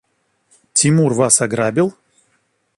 Тимур вас ограбил?